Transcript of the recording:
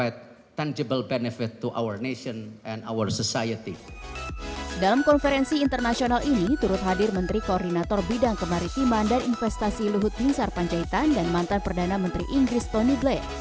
dalam konferensi internasional ini turut hadir menteri koordinator bidang kemaritiman dan investasi luhut binsar panjaitan dan mantan perdana menteri inggris tony gle